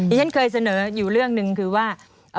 ฉันเคยเสนออยู่เรื่องหนึ่งคือว่า